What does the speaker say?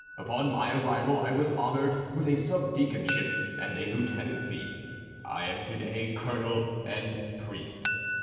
Upon my arrival I was honoured with a sub deaconship and a lieutenancy. I am to day colonel and priest.